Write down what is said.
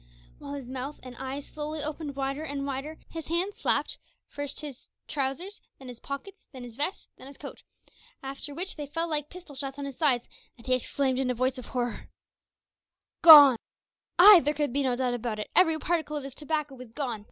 While his mouth and eyes slowly opened wider and wider, his hands slapped his pockets, first his trousers, then his vest, then his coat, after which they fell like pistol shots on his thighs, and he exclaimed, in a voice of horror "Gone!" Ay, there could be no doubt about it; every particle of his tobacco was gone!